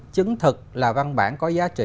chứng thực là văn bản có giá trị